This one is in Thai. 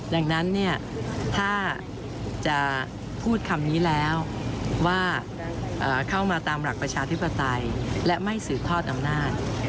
ดังนั้นถ้าจะพูดคำนี้แล้วว่าเข้ามาตามหลักประชาธิปไตยและไม่สืบทอดอำนาจ